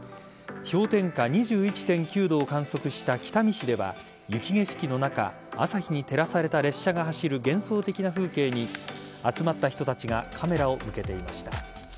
氷点下２１．９度を観測した北見市では雪景色の中朝日に照らされた列車が走る幻想的な風景に集まった人たちがカメラを向けていました。